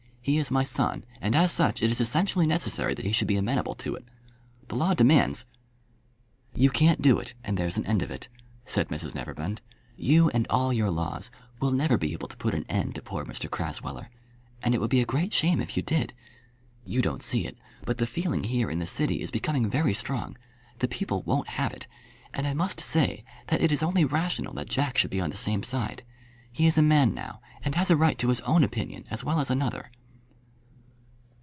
He is my son, and, as such, it is essentially necessary that he should be amenable to it. The law demands " "You can't do it, and there's an end of it," said Mrs Neverbend. "You and all your laws will never be able to put an end to poor Mr Crasweller, and it would be a great shame if you did. You don't see it; but the feeling here in the city is becoming very strong. The people won't have it; and I must say that it is only rational that Jack should be on the same side. He is a man now, and has a right to his own opinion as well as another."